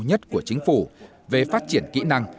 nhất của chính phủ về phát triển kỹ năng